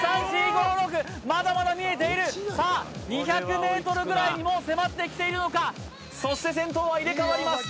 まだまだ見えているさあ２００ｍぐらいにもう迫ってきているのかそして先頭は入れ替わります